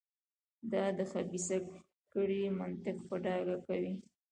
دا د خبیثه کړۍ منطق په ډاګه کوي.